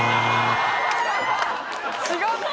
違った！